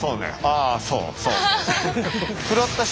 あそうそう。